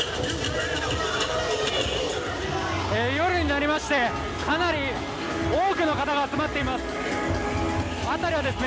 夜になり、かなり多くの方が集まっています。